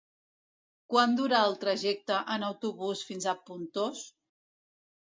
Quant dura el trajecte en autobús fins a Pontós?